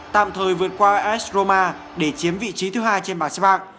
tạm thời vượt qua as roma để chiếm vị trí thứ hai trên bảng xe bạc